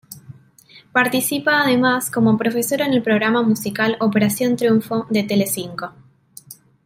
Participa además como profesora en el programa musical Operación Triunfo, de Telecinco.